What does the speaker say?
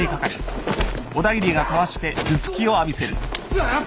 うっ。